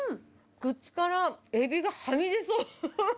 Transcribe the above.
口からえびがはみ出そう。